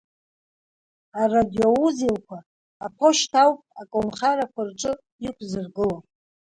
Арадиоузелқәа аԥошьҭа ауп аколнхарақәа рҿы иқәзыргыло.